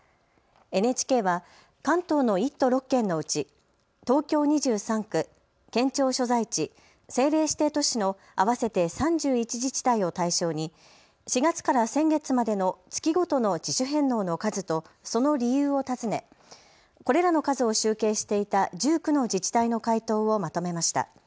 ＮＨＫは関東の１都６県のうち、東京２３区、県庁所在地、政令指定都市の合わせて３１自治体を対象に４月から先月までの月ごとの自主返納の数とその理由を尋ね、これらの数を集計していた１９の自治体の回答をまとめました。